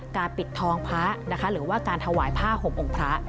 ปิดทองพระนะคะหรือว่าการถวายผ้าห่มองค์พระ